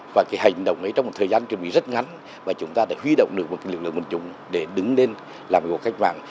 và cái hành động ấy trong một thời gian chuẩn bị rất ngắn và chúng ta đã huy động được một lực lượng bình thường để đứng lên làm một cuộc cách mạng